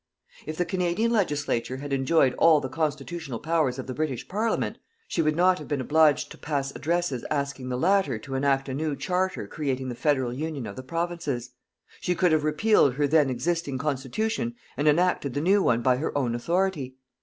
If the Canadian Legislature had enjoyed all the constitutional powers of the British Parliament, she would not have been obliged to pass addresses asking the latter to enact a new charter creating the Federal Union of the Provinces. She could have repealed her then existing constitution and enacted the new one by her own authority.